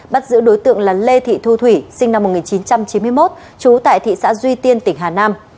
bắt giữ đối tượng là lê thị thu thủy sinh năm một nghìn chín trăm chín mươi một trú tại thị xã duy tiên tỉnh hà nam